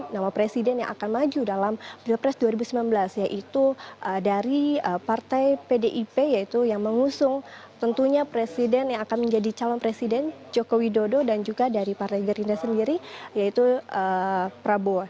nama presiden yang akan maju dalam pilpres dua ribu sembilan belas yaitu dari partai pdip yaitu yang mengusung tentunya presiden yang akan menjadi calon presiden joko widodo dan juga dari partai gerindra sendiri yaitu prabowo